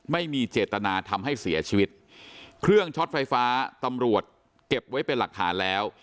ไม่มีเจตนาทำให้เสียชีวิตเครื่องช็อตไฟฟ้าตำรวจเก็บไว้เป็นหลักฐานแล้ว